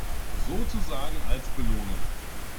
Sozusagen als Belohnung.